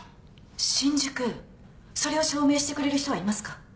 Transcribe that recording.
新宿それを証明してくれる人はいますか？